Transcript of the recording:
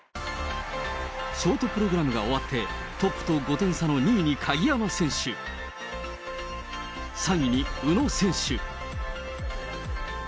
ショートプログラムが終わって、トップと５点差の２位に鍵山選手、３位に宇野選手。